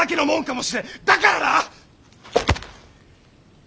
だからな！